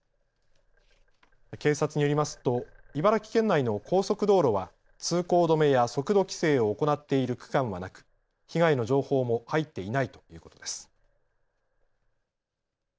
警察によりますと茨城県内の高速道路は通行止めや速度規制を行っている区間はなく被害の情報も入っていないということです。